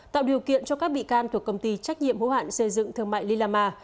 tạo điều kiện cho các bị can thuộc công ty trách nhiệm hữu hạn xây dựng thương mại lila ma